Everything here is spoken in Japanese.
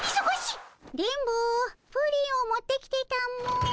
電ボプリンを持ってきてたも。